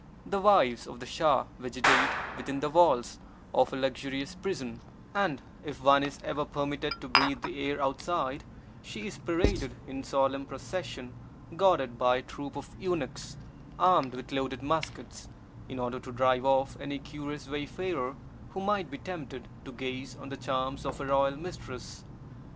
The wives of the Shah vegetate within the walls of a luxurious prison; and if one is ever permitted to breathe the air outside, she is paraded in solemn procession, guarded by a troup of eunuchs armed with loaded muskets, in order to drive off any curious wayfarer who might be tempted to gaze on the charms of a royal mistress.